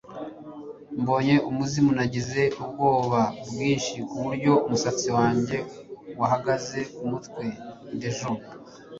mbonye umuzimu, nagize ubwoba bwinshi kuburyo umusatsi wanjye wahagaze kumutwe. (dejo